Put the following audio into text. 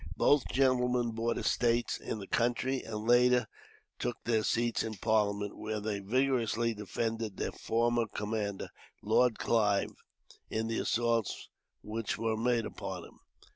Both gentlemen bought estates in the country, and later took their seats in Parliament, where they vigorously defended their former commander, Lord Clive, in the assaults which were made upon him.